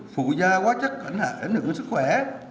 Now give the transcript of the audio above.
phụ gia quá chất ảnh hưởng đến sức khỏe